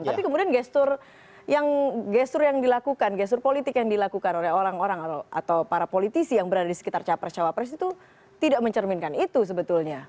tapi kemudian gestur yang dilakukan gestur politik yang dilakukan oleh orang orang atau para politisi yang berada di sekitar capres cawapres itu tidak mencerminkan itu sebetulnya